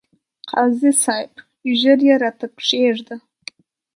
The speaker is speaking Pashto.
قاضي صاحب! ژر يې راته کښېږده ،